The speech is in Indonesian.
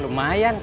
loh mau jalan kaki